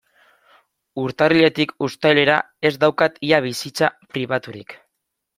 Urtarriletik uztailera ez daukat ia bizitza pribaturik.